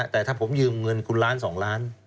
แต่ถ้าผมยืมเงินคุณล้าน๒ล้าน